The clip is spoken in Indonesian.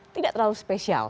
tidak terlalu spesial